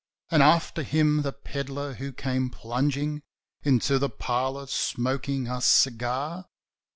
"And, after him, the pedlar who came plungin' Into the parlour, smoking a cigar?"